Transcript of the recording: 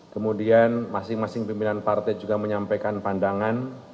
kemudian masing masing pimpinan partai juga menyampaikan pandangan